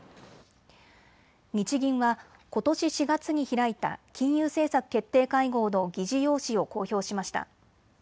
日銀は、ことし４月に開いた金融政策決定会合の議事要旨を公表しました。